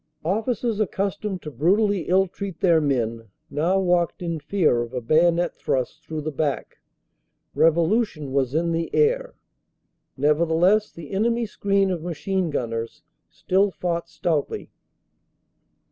Officers accustomed to brutally ill treat their men now walked in fear of a bayonet thrust through the back. Revolution was in the air. Nevertheless the enemy screen of machine gunners still fought stoutly.